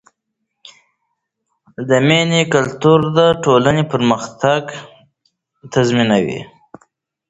د مینې کلتور د ټولنې پرمختګ تضمینوي.